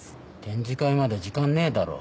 展示会まで時間ねぇだろ。